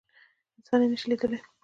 انسان يي نشي لیدلی